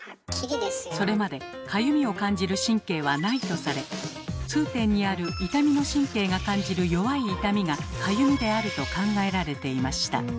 それまでかゆみを感じる神経はないとされ痛点にある痛みの神経が感じる弱い痛みが「かゆみ」であると考えられていました。